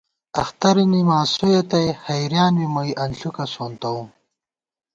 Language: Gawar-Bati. اخترَنی ماسویَہ تئ حېریان بی مُوئی انݪُکہ سونتَؤم